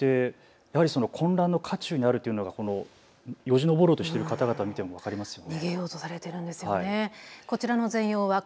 そしての混乱の渦中にあるというのがこのよじ上ろうとしている方々を見ても分かりますよね。